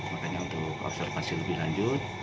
makanya untuk observasi lebih lanjut